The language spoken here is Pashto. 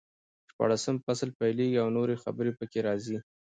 شپاړسم فصل پیلېږي او نورې خبرې پکې راځي.